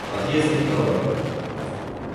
Отъезд Николая.